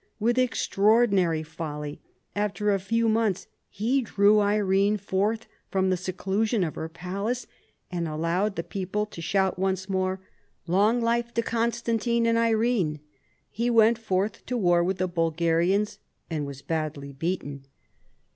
With extraordinary folly, after a few months he drew Irene forth from the seclusion of her palace, and allowed the people to shout once more, " Long life to Constantine and Irene." He went forth to war with the Bulgarians and was badly beaten.